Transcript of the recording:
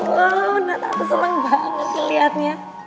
ya allah tante tante seneng banget dilihatnya